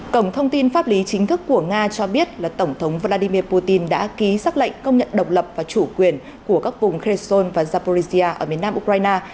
cổng thông tin pháp lý chính thức của nga cho biết là tổng thống vladimir putin đã ký xác lệnh công nhận độc lập và chủ quyền của các vùng khreson và zaporizia ở miền nam ukraine